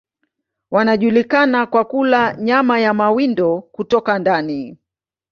Wanajulikana kwa kula nyama ya mawindo kutoka ndani.